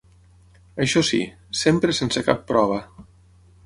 Això sí: sempre sense cap prova.